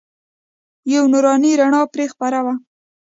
یوه نوراني رڼا پرې خپره وه.